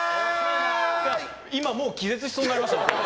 今、もう気絶しそうになりましたもん。